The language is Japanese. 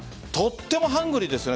とってもハングリーですね